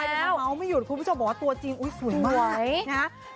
เค้าเม้าไม่หยุดคุณผู้ชมบอกว่าตัวจริงสุดมาก